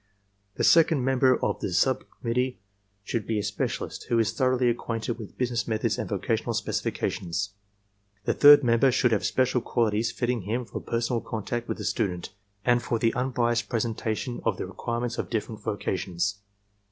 The second member of the sub committee should be a specialist who is thoroughly acquainted with business methods and vocational specifications. The third member should have special qualities fitting him for personal contact with the student and for the unbiased presentation of the requirements of dififerent vocations.